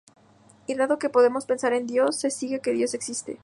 Y dado que podemos pensar en Dios, se sigue que Dios existe.